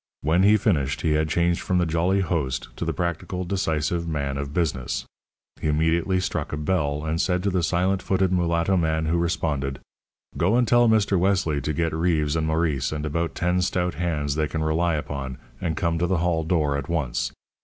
When he finished, he had changed from the jolly host to the practical, decisive man of business. He immediately struck a bell, and said to the silent footed mulatto man who responded: "Go and tell Mr. Wesley to get Reeves and Maurice and about ten stout hands they can rely upon, and come to the hall door at once.